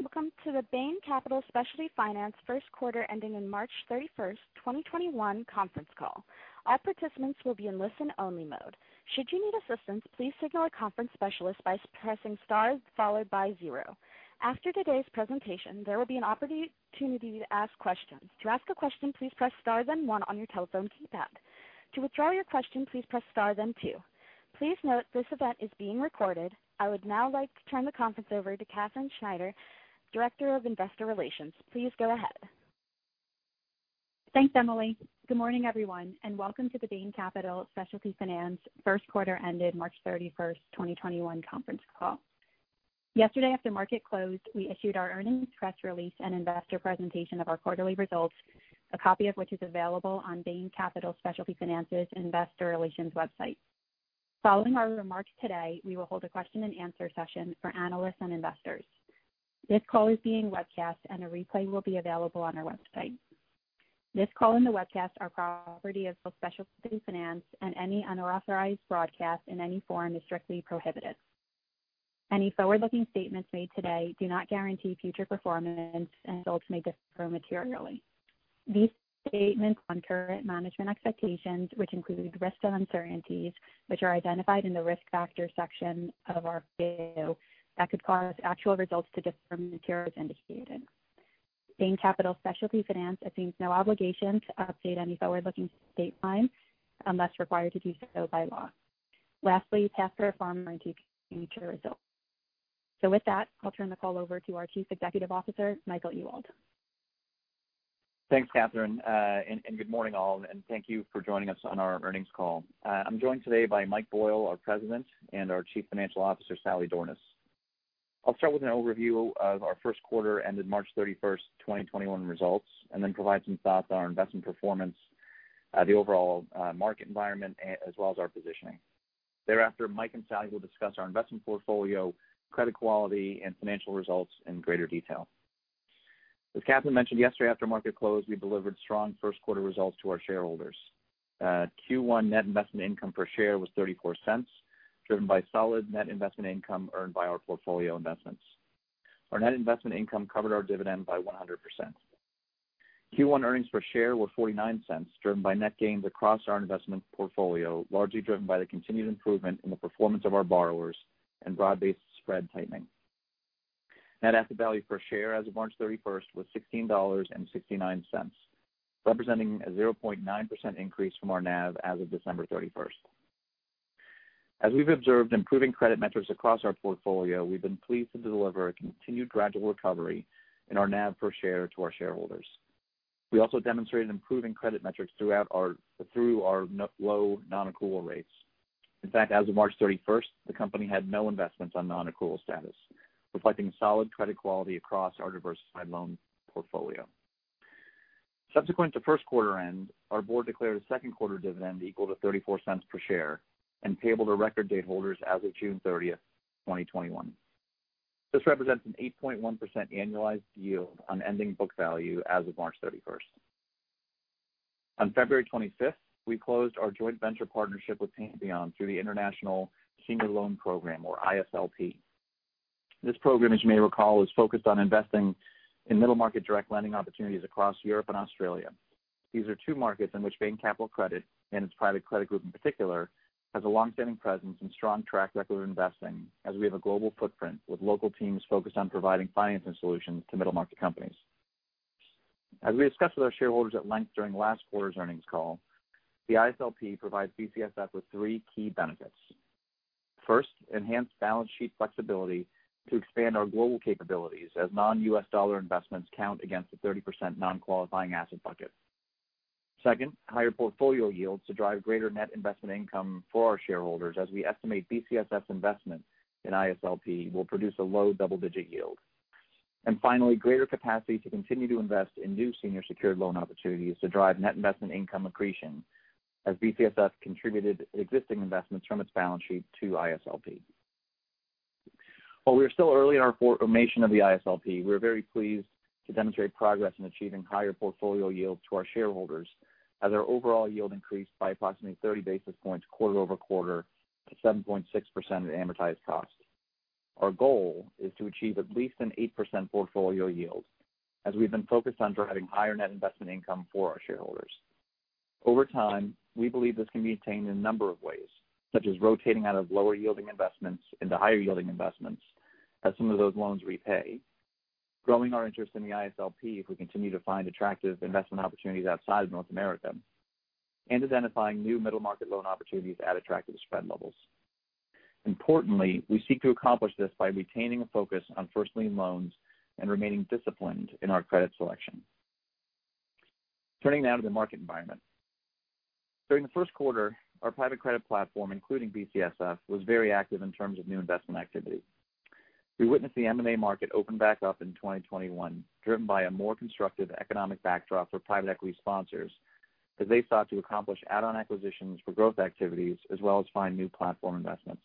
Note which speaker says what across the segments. Speaker 1: Hi, welcome to the Bain Capital Specialty Finance first quarter ending in March 31st, 2021 conference call. All participants will be in listen-only mode. Should you need assistance, please signal a conference specialist by pressing star followed by zero. After today's presentation, there will be an opportunity to ask questions. To ask a question, please press star then one on your telephone keypad. To withdraw your question, please press star then two. Please note, this event is being recorded. I would now like to turn the conference over to Katherine Schneider, Director of Investor Relations. Please go ahead.
Speaker 2: Thanks, Emily. Good morning, everyone, and welcome to the Bain Capital Specialty Finance first quarter ended March 31st, 2021 conference call. Yesterday, after market close, we issued our earnings press release and investor presentation of our quarterly results, a copy of which is available on Bain Capital Specialty Finance's investor relations website. Following our remarks today, we will hold a question and answer session for analysts and investors. This call is being webcast, and a replay will be available on our website. This call and the webcast are property of both Specialty Finance, and any unauthorized broadcast in any form is strictly prohibited. Any forward-looking statements made today do not guarantee future performance, and results may differ materially. These statements on current management expectations, which include risks and uncertainties, which are identified in the risk factor section of our 10-Q that could cause actual results to differ materially as indicated. Bain Capital Specialty Finance assumes no obligation to update any forward-looking statements unless required to do so by law. Lastly, past performance may indicate future results. With that, I'll turn the call over to our Chief Executive Officer, Michael Ewald.
Speaker 3: Thanks, Katherine, and good morning, all, and thank you for joining us on our earnings call. I'm joined today by Mike Boyle, our President, and our Chief Financial Officer, Sally Dornaus. I'll start with an overview of our first quarter ended March 31st, 2021 results, and then provide some thoughts on our investment performance, the overall market environment, as well as our positioning. Thereafter, Micke and Sally will discuss our investment portfolio, credit quality, and financial results in greater detail. As Katherine mentioned yesterday after market close, we delivered strong first-quarter results to our shareholders. Q1 net investment income per share was $0.34, driven by solid net investment income earned by our portfolio investments. Our net investment income covered our dividend by 100%. Q1 earnings per share were $0.49, driven by net gains across our investment portfolio, largely driven by the continued improvement in the performance of our borrowers and broad-based spread tightening. Net asset value per share as of March 31st was $16.69, representing a 0.9% increase from our NAV as of December 31st. As we've observed improving credit metrics across our portfolio, we've been pleased to deliver a continued gradual recovery in our NAV per share to our shareholders. We also demonstrated improving credit metrics through our low non-accrual rates. In fact, as of March 31st, the company had no investments on non-accrual status, reflecting solid credit quality across our diversified loan portfolio. Subsequent to first quarter end, our board declared a second quarter dividend equal to $0.34 per share and payable to record date holders as of June 30th, 2021. This represents an 8.1% annualized yield on ending book value as of March 31st. On February 25th, we closed our joint venture partnership with Pantheon through the International Senior Loan Program or ISLP. This program, as you may recall, is focused on investing in middle-market direct lending opportunities across Europe and Australia. These are two markets in which Bain Capital Credit, and its private credit group in particular, has a long-standing presence and strong track record of investing as we have a global footprint with local teams focused on providing financing solutions to middle-market companies. As we discussed with our shareholders at length during last quarter's earnings call, the ISLP provides BCSF with three key benefits. First, enhanced balance sheet flexibility to expand our global capabilities as non-U.S. dollar investments count against the 30% non-qualifying asset bucket. Second, higher portfolio yields to drive greater net investment income for our shareholders as we estimate BCSF investment in ISLP will produce a low double-digit yield. Finally, greater capacity to continue to invest in new senior secured loan opportunities to drive net investment income accretion as BCSF contributed existing investments from its balance sheet to ISLP. While we are still early in our formation of the ISLP, we are very pleased to demonstrate progress in achieving higher portfolio yields to our shareholders as our overall yield increased by approximately 30 basis points quarter-over-quarter to 7.6% at amortized cost. Our goal is to achieve at least an 8% portfolio yield as we've been focused on driving higher net investment income for our shareholders. Over time, we believe this can be attained in a number of ways, such as rotating out of lower yielding investments into higher yielding investments as some of those loans repay, growing our interest in the ISLP if we continue to find attractive investment opportunities outside of North America, and identifying new middle market loan opportunities at attractive spread levels. Importantly, we seek to accomplish this by retaining a focus on first lien loans and remaining disciplined in our credit selection. Turning now to the market environment. During the first quarter, our private credit platform, including BCSF, was very active in terms of new investment activity. We witnessed the M&A market open back up in 2021, driven by a more constructive economic backdrop for private equity sponsors as they sought to accomplish add-on acquisitions for growth activities as well as find new platform investments.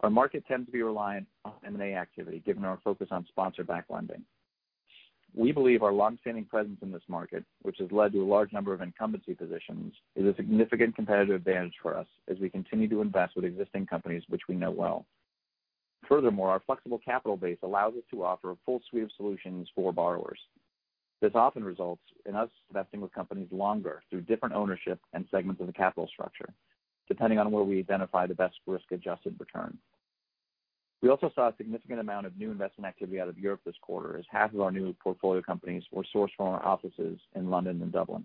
Speaker 3: Our market tends to be reliant on M&A activity given our focus on sponsor-backed lending. We believe our longstanding presence in this market, which has led to a large number of incumbency positions, is a significant competitive advantage for us as we continue to invest with existing companies which we know well. Our flexible capital base allows us to offer a full suite of solutions for borrowers. This often results in us investing with companies longer through different ownership and segments of the capital structure, depending on where we identify the best risk-adjusted return. We also saw a significant amount of new investment activity out of Europe this quarter, as half of our new portfolio companies were sourced from our offices in London and Dublin.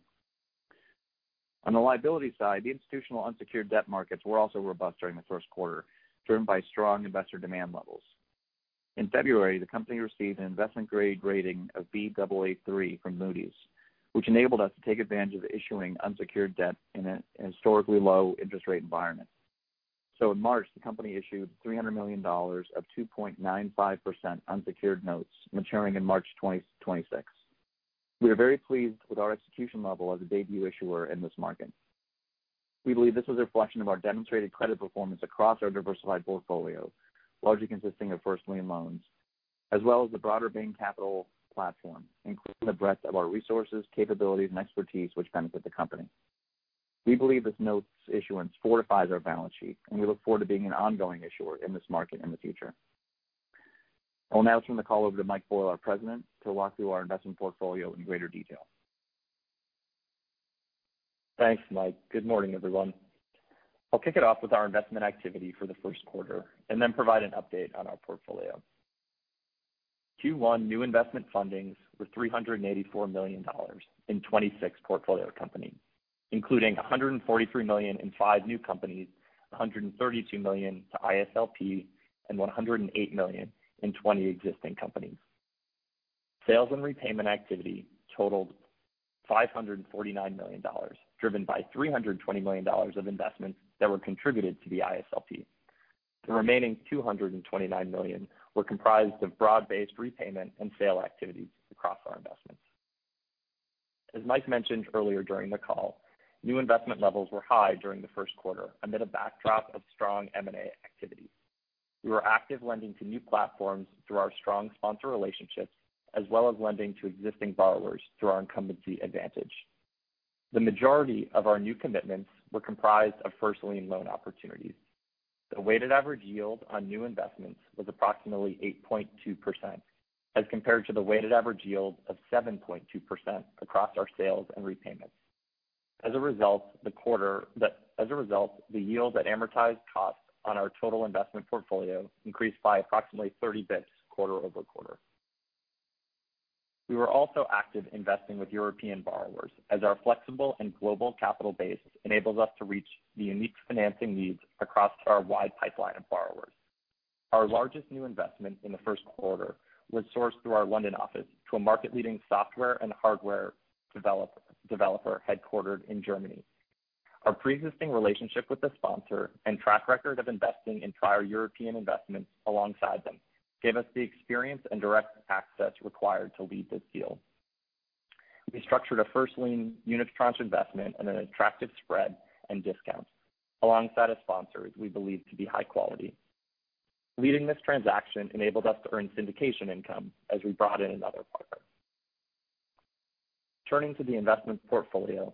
Speaker 3: On the liability side, the institutional unsecured debt markets were also robust during the first quarter, driven by strong investor demand levels. In February, the company received an investment-grade rating of Baa3 from Moody's, which enabled us to take advantage of issuing unsecured debt in a historically low interest rate environment. In March, the company issued $300 million of 2.95% unsecured notes maturing in March 2026. We are very pleased with our execution level as a debut issuer in this market. We believe this is a reflection of our demonstrated credit performance across our diversified portfolio, largely consisting of first lien loans, as well as the broader Bain Capital platform, including the breadth of our resources, capabilities, and expertise which benefit the company. We believe this notes issuance fortifies our balance sheet, and we look forward to being an ongoing issuer in this market in the future. I will now turn the call over to Mike Boyle, our President, to walk through our investment portfolio in greater detail.
Speaker 4: Thanks, Mike. Good morning, everyone. I'll kick it off with our investment activity for the first quarter and then provide an update on our portfolio. Q1 new investment fundings were $384 million in 26 portfolio companies, including $143 million in five new companies, $132 million to ISLP, and $108 million in 20 existing companies. Sales and repayment activity totaled $549 million, driven by $320 million of investments that were contributed to the ISLP. The remaining $229 million were comprised of broad-based repayment and sale activities across our investments. As Mike mentioned earlier during the call, new investment levels were high during the first quarter amid a backdrop of strong M&A activity. We were active lending to new platforms through our strong sponsor relationships, as well as lending to existing borrowers through our incumbency advantage. The majority of our new commitments were comprised of first lien loan opportunities. The weighted average yield on new investments was approximately 8.2%, as compared to the weighted average yield of 7.2% across our sales and repayments. As a result, the yield at amortized cost on our total investment portfolio increased by approximately 30 basis points quarter-over-quarter. We were also active investing with European borrowers, as our flexible and global capital base enables us to reach the unique financing needs across our wide pipeline of borrowers. Our largest new investment in the first quarter was sourced through our London office to a market-leading software and hardware developer headquartered in Germany. Our preexisting relationship with the sponsor and track record of investing in prior European investments alongside them gave us the experience and direct access required to lead this deal. We structured a first lien unitranche investment at an attractive spread and discount alongside a sponsor we believe to be high quality. Leading this transaction enabled us to earn syndication income as we brought in another partner. Turning to the investment portfolio.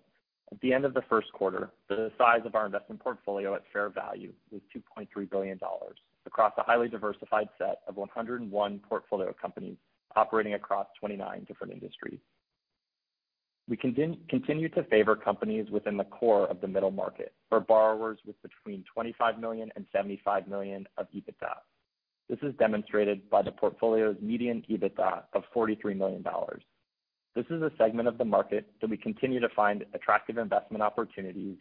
Speaker 4: At the end of the first quarter, the size of our investment portfolio at fair value was $2.3 billion across a highly diversified set of 101 portfolio companies operating across 29 different industries. We continue to favor companies within the core of the middle market for borrowers with between $25 million and $75 million of EBITDA. This is demonstrated by the portfolio's median EBITDA of $43 million. This is a segment of the market that we continue to find attractive investment opportunities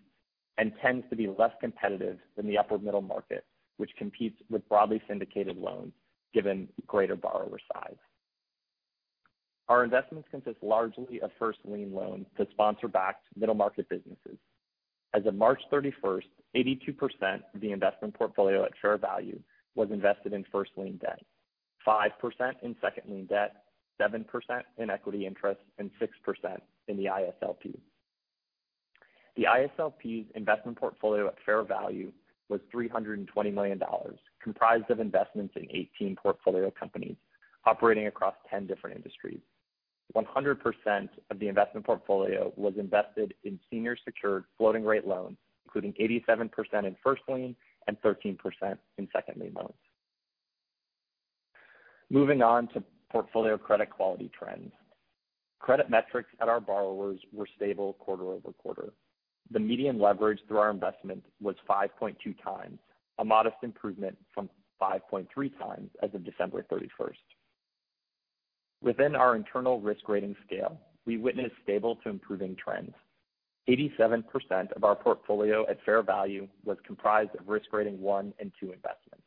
Speaker 4: and tends to be less competitive than the upper middle market, which competes with broadly syndicated loans given greater borrower size. Our investments consist largely of first lien loans to sponsor backed middle market businesses. As of March 31st, 82% of the investment portfolio at fair value was invested in first lien debt, 5% in second lien debt, 7% in equity interest, and 6% in the ISLP. The ISLP's investment portfolio at fair value was $320 million, comprised of investments in 18 portfolio companies operating across 10 different industries. 100% of the investment portfolio was invested in senior secured floating rate loans, including 87% in first lien and 13% in second lien loans. Moving on to portfolio credit quality trends. Credit metrics at our borrowers were stable quarter-over-quarter. The median leverage through our investment was 5.2 times, a modest improvement from 5.3 times as of December 31st. Within our internal risk rating scale, we witnessed stable to improving trends. 87% of our portfolio at fair value was comprised of risk rating 1 and 2 investments.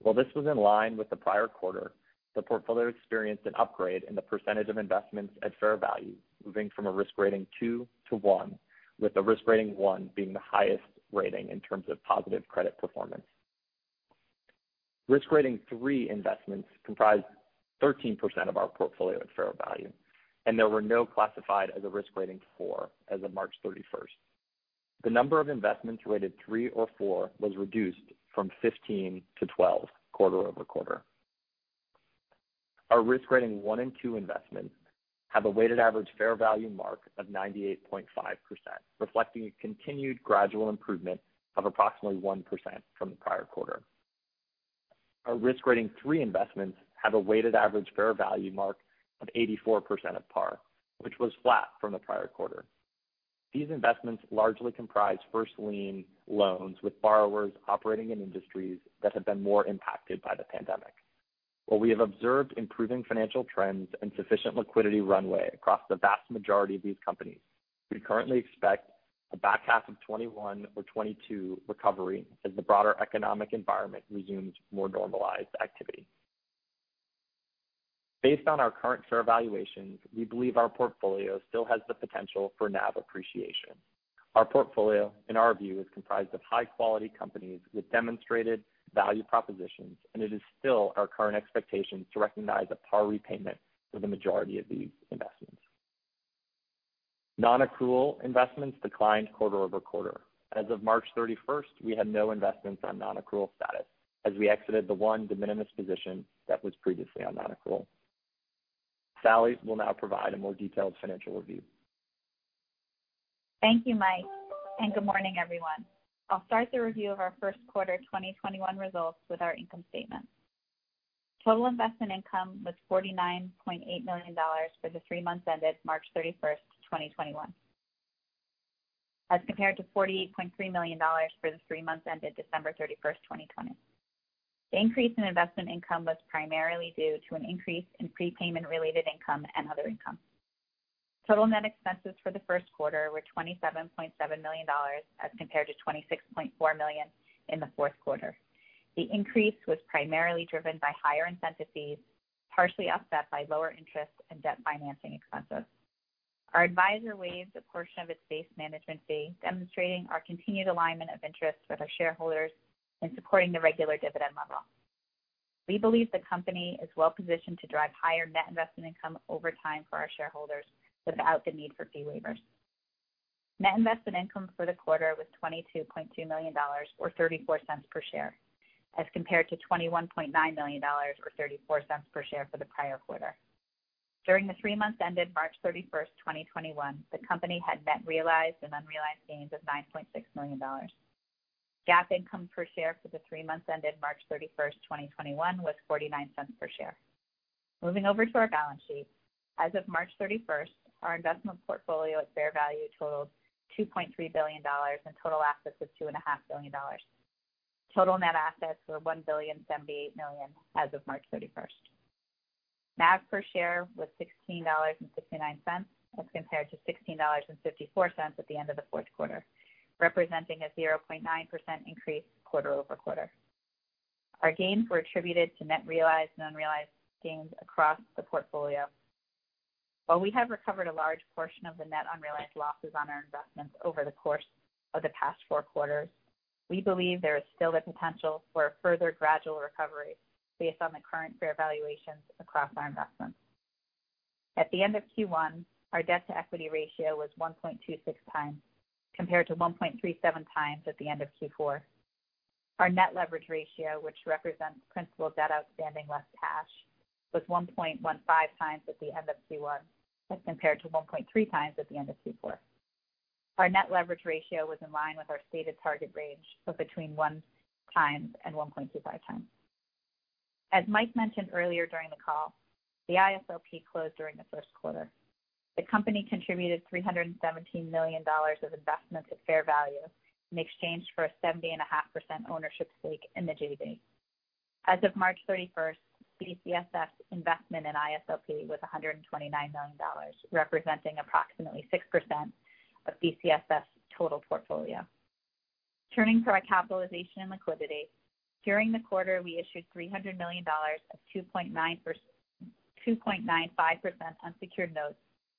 Speaker 4: While this was in line with the prior quarter, the portfolio experienced an upgrade in the percentage of investments at fair value, moving from a risk rating 2-1, with a risk rating 1 being the highest rating in terms of positive credit performance. Risk rating 3 investments comprised 13% of our portfolio at fair value, and there were no classified as a risk rating 4 as of March 31st. The number of investments rated 3 or 4 was reduced from 15 -12 quarter-over-quarter. Our risk rating 1 and 2 investments have a weighted average fair value mark of 98.5%, reflecting a continued gradual improvement of approximately 1% from the prior quarter. Our risk rating 3 investments have a weighted average fair value mark of 84% of par, which was flat from the prior quarter. These investments largely comprise first lien loans with borrowers operating in industries that have been more impacted by the pandemic. While we have observed improving financial trends and sufficient liquidity runway across the vast majority of these companies, we currently expect a back half of 2021 or 2022 recovery as the broader economic environment resumes more normalized activity. Based on our current fair valuations, we believe our portfolio still has the potential for NAV appreciation. Our portfolio, in our view, is comprised of high-quality companies with demonstrated value propositions, and it is still our current expectation to recognize a par repayment for the majority of these investments. Non-accrual investments declined quarter-over-quarter. As of March 31st, we had no investments on non-accrual status as we exited the one de minimis position that was previously on non-accrual. Sally Dornaus will now provide a more detailed financial review.
Speaker 5: Thank you, Mike, and good morning, everyone. I'll start the review of our first quarter 2021 results with our income statement. Total investment income was $49.8 million for the three months ended March 31st, 2021, as compared to $40.3 million for the three months ended December 31st, 2020. The increase in investment income was primarily due to an increase in prepayment-related income and other income. Total net expenses for the first quarter were $27.7 million, as compared to $26.4 million in the fourth quarter. The increase was primarily driven by higher incentive fees, partially offset by lower interest and debt financing expenses. Our advisor waived a portion of its base management fee, demonstrating our continued alignment of interest with our shareholders in supporting the regular dividend level. We believe the company is well-positioned to drive higher net investment income over time for our shareholders without the need for fee waivers. Net investment income for the quarter was $22.2 million, or $0.34 per share, as compared to $21.9 million or $0.34 per share for the prior quarter. During the three months ended March 31st, 2021, the company had net realized and unrealized gains of $9.6 million. GAAP income per share for the three months ended March 31st, 2021, was $0.49 per share. Moving over to our balance sheet. As of March 31st, our investment portfolio at fair value totaled $2.3 billion, and total assets was $2.5 billion. Total net assets were $1.078 billion as of March 31st. NAV per share was $16.69 as compared to $16.54 at the end of the fourth quarter, representing a 0.9% increase quarter-over-quarter. Our gains were attributed to net realized and unrealized gains across the portfolio. While we have recovered a large portion of the net unrealized losses on our investments over the course of the past four quarters, we believe there is still the potential for a further gradual recovery based on the current fair valuations across our investments. At the end of Q1, our debt-to-equity ratio was 1.26x, compared to 1.37x at the end of Q4. Our net leverage ratio, which represents principal debt outstanding less cash, was 1.15x at the end of Q1, as compared to 1.3x at the end of Q4. Our net leverage ratio was in line with our stated target range of between one times and 1.25x. As Mike mentioned earlier during the call, the ISLP closed during the first quarter. The company contributed $317 million of investment at fair value in exchange for a 70.5% ownership stake in the JV. As of March 31st, BCSF's investment in ISLP was $129 million, representing approximately 6% of BCSF's total portfolio. Turning to our capitalization and liquidity. During the quarter, we issued $300 million of 2.95% unsecured notes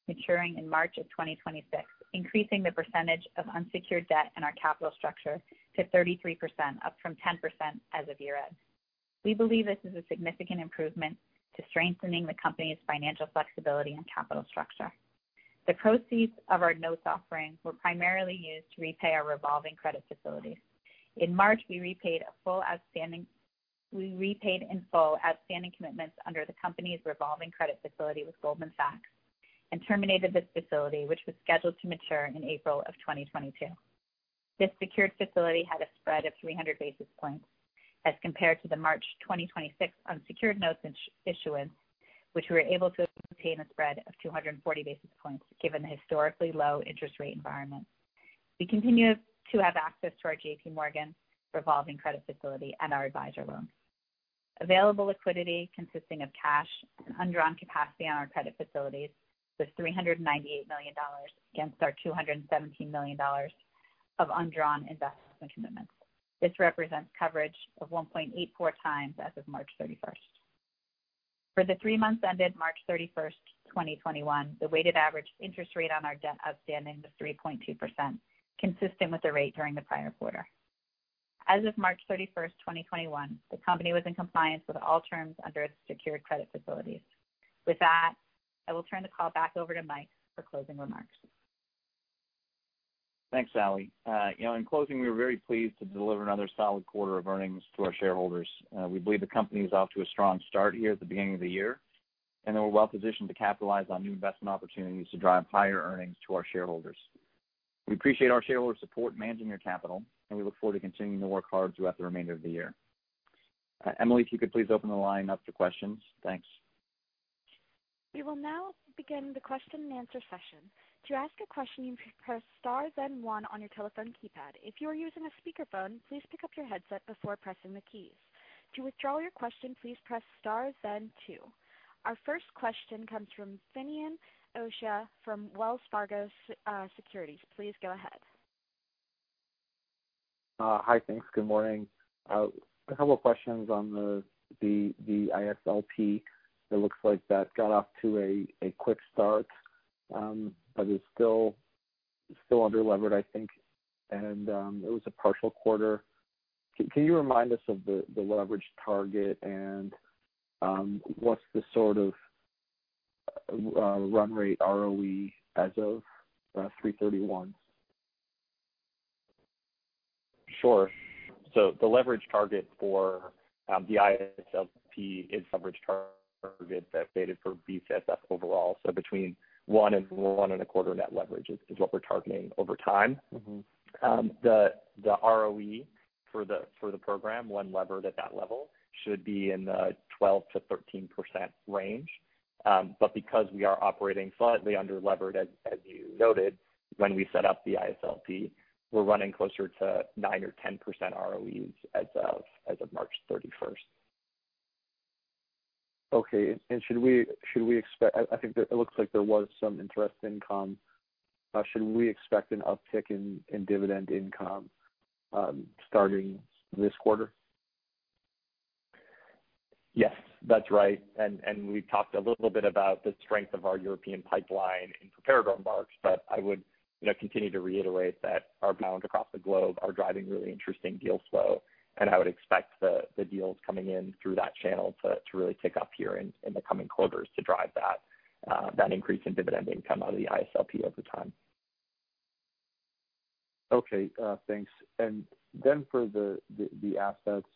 Speaker 5: maturing in March of 2026, increasing the percentage of unsecured debt in our capital structure to 33%, up from 10% as of year-end. We believe this is a significant improvement to strengthening the company's financial flexibility and capital structure. The proceeds of our notes offering were primarily used to repay our revolving credit facility. In March, we repaid in full outstanding commitments under the company's revolving credit facility with Goldman Sachs and terminated this facility, which was scheduled to mature in April of 2022. This secured facility had a spread of 300 basis points as compared to the March 2026 unsecured notes issuance, which we were able to obtain a spread of 240 basis points, given the historically low interest rate environment. We continue to have access to our JPMorgan revolving credit facility and our advisor loan. Available liquidity consisting of cash and undrawn capacity on our credit facilities was $398 million against our $217 million of undrawn investment commitments. This represents coverage of 1.84x as of March 31st. For the three months ended March 31st, 2021, the weighted average interest rate on our debt outstanding was 3.2%, consistent with the rate during the prior quarter. As of March 31st, 2021, the company was in compliance with all terms under its secured credit facilities. With that, I will turn the call back over to Mike for closing remarks.
Speaker 3: Thanks, Sally. In closing, we were very pleased to deliver another solid quarter of earnings to our shareholders. We believe the company is off to a strong start here at the beginning of the year, and that we're well-positioned to capitalize on new investment opportunities to drive higher earnings to our shareholders. We appreciate our shareholders' support in managing their capital, and we look forward to continuing to work hard throughout the remainder of the year. Emily, if you could please open the line up for questions. Thanks.
Speaker 1: We will now begin the question-and-answer session. To ask a question, you press star then one on your telephone keypad. If you are using a speakerphone, please pick up your handset before pressing the keys. To withdraw your question, please press star then two. Our first question comes from Finian O'Shea from Wells Fargo Securities. Please go ahead.
Speaker 6: Hi, thanks. Good morning. A couple of questions on the ISLP. It looks like that got off to a quick start, but is still under-levered, I think, and it was a partial quarter. Can you remind us of the leverage target, and what's the sort of run rate ROE as of 3/31?
Speaker 4: Sure. The leverage target for the ISLP is leverage target that's weighted for BCSF overall. Between one and one and a quarter net leverage is what we're targeting over time. The ROE for the program when levered at that level should be in the 12%-13% range. Because we are operating slightly under-levered, as you noted, when we set up the ISLP, we're running closer to 9% or 10% ROEs as of March 31st.
Speaker 6: Okay. It looks like there was some interest income. Should we expect an uptick in dividend income starting this quarter?
Speaker 4: Yes, that's right. We talked a little bit about the strength of our European pipeline in prepared remarks, I would continue to reiterate that our groups across the globe are driving really interesting deal flow, and I would expect the deals coming in through that channel to really tick up here in the coming quarters to drive that increase in dividend income out of the ISLP over time.
Speaker 6: Okay, thanks. For the assets,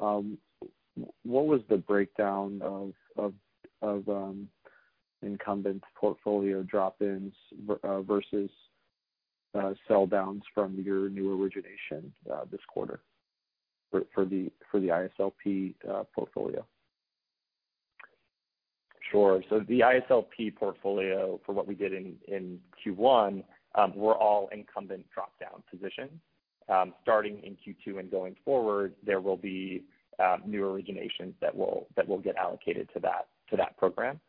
Speaker 6: what was the breakdown of incumbent portfolio drop-ins versus sell downs from your new origination this quarter for the ISLP portfolio?
Speaker 4: Sure. The ISLP portfolio for what we did in Q1 were all incumbent drop-down positions. Starting in Q2 and going forward, there will be new originations that will get allocated to that program.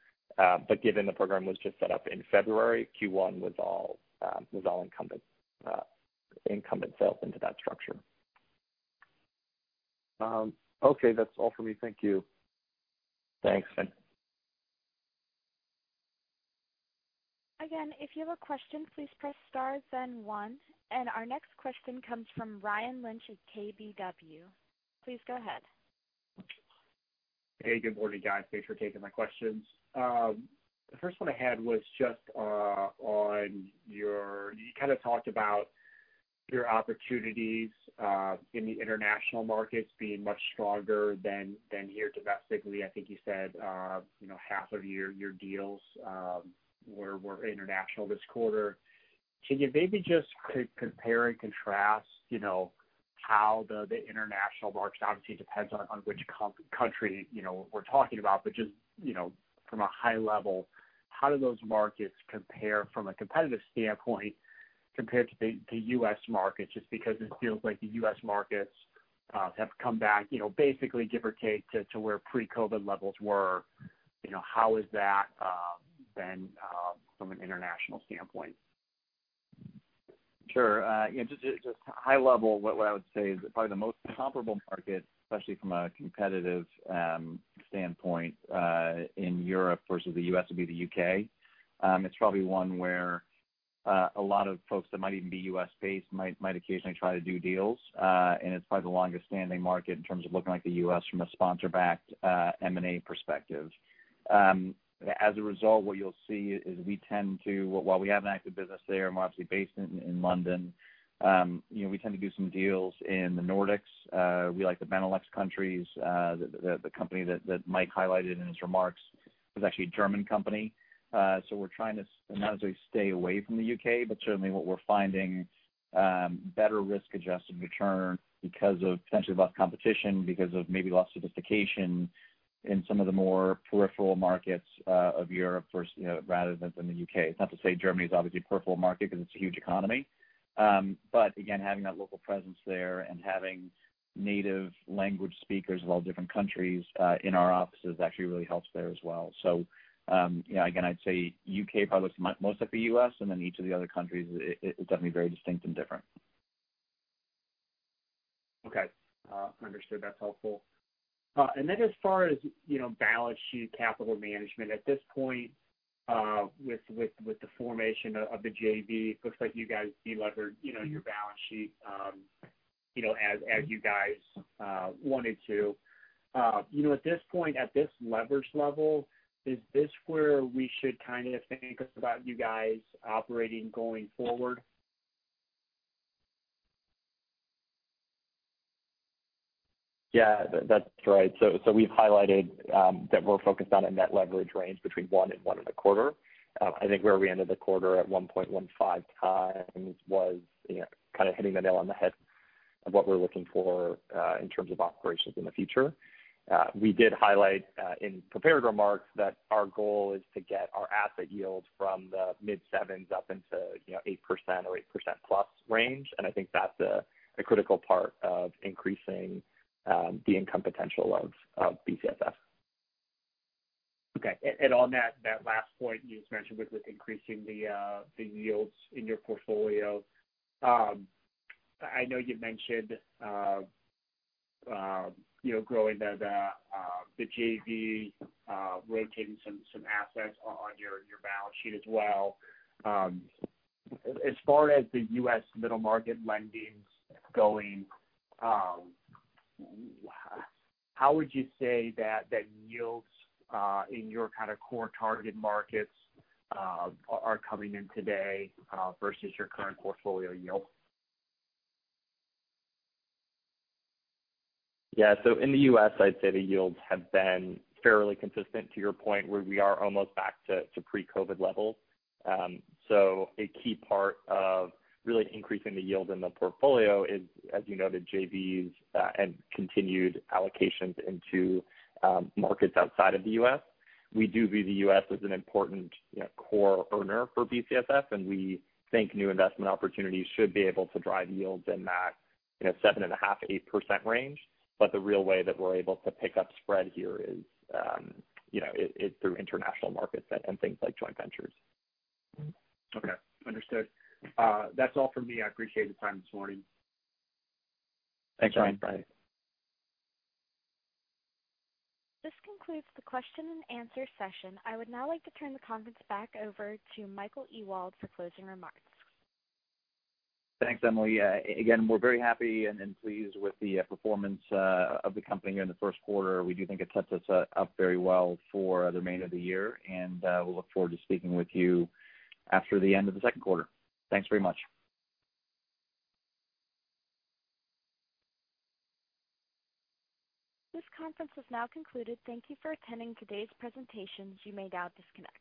Speaker 4: Given the program was just set up in February, Q1 was all incumbent sales into that structure.
Speaker 6: Okay, that's all for me. Thank you.
Speaker 4: Thanks.
Speaker 1: Again, if you have a question, please press star then one. Our next question comes from Ryan Lynch of KBW. Please go ahead.
Speaker 7: Hey, good morning, guys. Thanks for taking my questions. The first one I had was just. You kind of talked about your opportunities in the international markets being much stronger than here domestically. I think you said half of your deals were international this quarter. Can you maybe just compare and contrast how the international markets, obviously, it depends on which country we're talking about, but just from a high level, how do those markets compare from a competitive standpoint compared to the U.S. market, just because it feels like the U.S. markets have come back, basically give or take, to where pre-COVID levels were. How is that been from an international standpoint?
Speaker 3: Sure. Just high level, what I would say is probably the most comparable market, especially from a competitive standpoint in Europe versus the U.S., would be the U.K. It's probably one where a lot of folks that might even be U.S.-based might occasionally try to do deals, and it's probably the longest-standing market in terms of looking like the U.S. from a sponsor-backed M&A perspective. As a result, what you'll see is we tend to, while we have an active business there, and we're obviously based in London, we tend to do some deals in the Nordics. We like the Benelux countries. The company that Mike highlighted in his remarks was actually a German company. We're trying to not necessarily stay away from the U.K., but certainly what we're finding better risk-adjusted return because of potentially less competition, because of maybe less sophistication in some of the more peripheral markets of Europe versus rather than the U.K. It's not to say Germany is obviously a peripheral market because it's a huge economy. Again, having that local presence there and having native language speakers of all different countries in our offices actually really helps there as well. Again, I'd say U.K. probably looks most like the U.S., and then each of the other countries is definitely very distinct and different.
Speaker 7: Okay. Understood. That's helpful. As far as balance sheet capital management, at this point, with the formation of the JV, it looks like you guys de-levered your balance sheet as you guys wanted to. At this point, at this leverage level, is this where we should think about you guys operating going forward?
Speaker 4: Yeah, that's right. We've highlighted that we're focused on a net leverage range between 1x and 1.25x. I think where we ended the quarter at 1.15x was kind of hitting the nail on the head of what we're looking for in terms of operations in the future. We did highlight in prepared remarks that our goal is to get our asset yields from the mid-7s up into 8% or 8%+ range, and I think that's a critical part of increasing the income potential of BCSF.
Speaker 7: Okay. On that last point you just mentioned with increasing the yields in your portfolio, I know you mentioned growing the JV, rotating some assets on your balance sheet as well. As far as the U.S. middle market lendings going, how would you say that yields in your kind of core target markets are coming in today versus your current portfolio yield?
Speaker 4: Yeah. In the U.S., I'd say the yields have been fairly consistent to your point, where we are almost back to pre-COVID levels. A key part of really increasing the yield in the portfolio is, as you noted, JVs and continued allocations into markets outside of the U.S. We do view the U.S. as an important core earner for BCSF, and we think new investment opportunities should be able to drive yields in that 7.5%-8% range. The real way that we're able to pick up spread here is through international markets and things like joint ventures.
Speaker 7: Okay. Understood. That's all from me. I appreciate the time this morning.
Speaker 4: Thanks, Ryan. Bye.
Speaker 1: This concludes the question and answer session. I would now like to turn the conference back over to Michael Ewald for closing remarks.
Speaker 3: Thanks, Emily. Again, we're very happy and pleased with the performance of the company here in the first quarter. We do think it sets us up very well for the remainder of the year. We look forward to speaking with you after the end of the second quarter. Thanks very much.
Speaker 1: This conference has now concluded. Thank you for attending today's presentation. You may now disconnect.